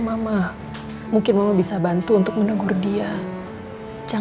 saya ingin setelah amaran